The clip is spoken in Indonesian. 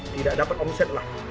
tidak dapat omset lah